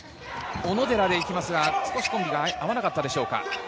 小野寺で行きますが、少しコンビが合わなかったでしょうか。